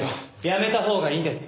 やめたほうがいいです。